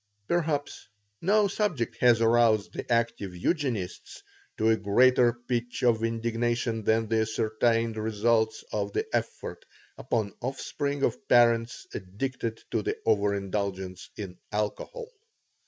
Perhaps no subject has aroused the active Eugenists to a greater pitch of indignation than the ascertained results of the effect upon offspring of parents addicted to the over indulgence in alcohol.